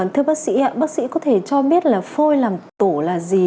thưa bác sĩ bác sĩ có thể cho biết là phôi làm tổ là gì